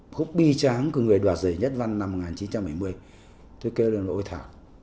khúc bi tráng của người đoạt giải nhất văn năm một nghìn chín trăm bảy mươi tôi kêu lên là ôi thả